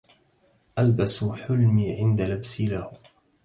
ألبس حلمي عند لبسي له